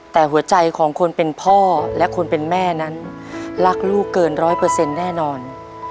แต่หัวใจของคนเป็นพ่อและคนเป็นแม่นั้นรักลูกเกิน๑๐๐แน่นอน